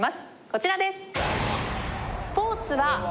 こちらです。